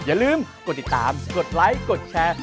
อย่าลืมกดติดตามกดไลค์กดแชร์